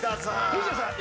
藤田さん